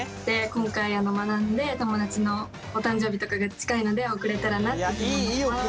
今回学んで友達のお誕生日とかが近いので贈れたらなと思います。